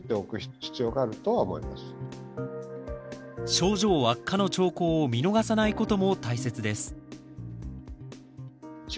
症状悪化の兆候を見逃さないことも大切です。